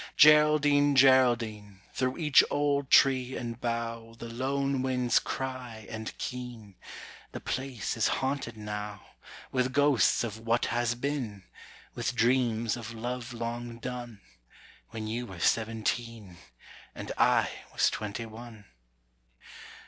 Geraldine, Geraldine, Through each old tree and bough The lone winds cry and keen The place is haunted now, With ghosts of what has been, With dreams of love long done, When you were seventeen, And I was twenty one.